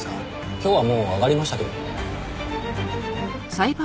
今日はもう上がりましたけど。